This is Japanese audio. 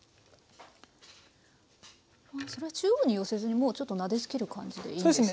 それは中央に寄せずにもうちょっとなでつける感じでいいんですね。